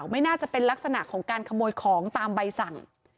ไม่น่าจะเป็นลักษณะของการขโมยของตามใบสั่ง